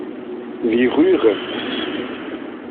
Wie rührend!